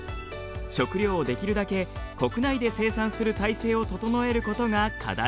食料をできるだけ国内で生産する体制を整えることが課題です。